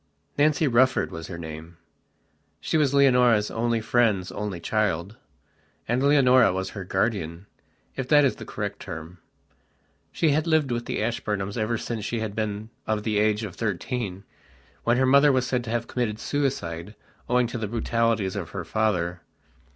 Nancy Rufford was her name; she was Leonora's only friend's only child, and Leonora was her guardian, if that is the correct term. She had lived with the Ashburnhams ever since she had been of the age of thirteen, when her mother was said to have committed suicide owing to the brutalities of her father.